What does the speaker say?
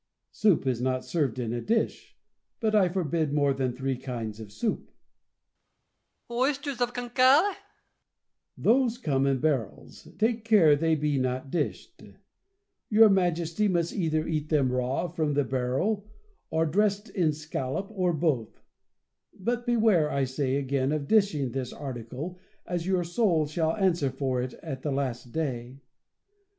Louis. In the six dishes is soup included ? La Chaise. Soup is not served in a dish ; but I forbid more than three kinds of soup. Louis. Oysters of Caucale 1 La Chaise. Those come in barrels ; take care they be not dished. Your Majesty must either eat them raw from the barrel, or dressed in scallop, or both ; but beware, I say again, of dishing this article, as your soul shall answer for it at the last day.